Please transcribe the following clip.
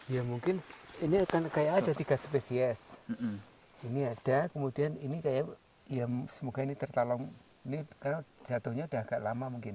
ya mungkin ini akan kayak ada tiga spesies ini ada kemudian ini kayak ya semoga ini tertolong ini jatuhnya udah agak lama mungkin